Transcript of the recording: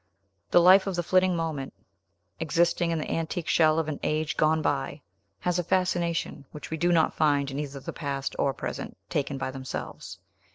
The life of the flitting moment, existing in the antique shell of an age gone by, has a fascination which we do not find in either the past or present, taken by themselves.